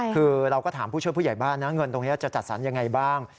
คือเราก็ถามผู้ช่วยผู้ใหญ่บ้านนะเงินตรงนี้จะจัดสรรยังไงบ้าง